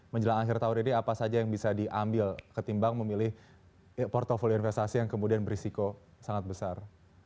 menjelang akhir tahun ini apa saja yang bisa diambil ketimbang memilih portfolio investasi yang kemudian berisiko sangat besar